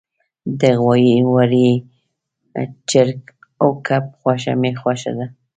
د غوایی، وری، چرګ او کب غوښه می خوښه ده